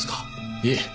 いえ。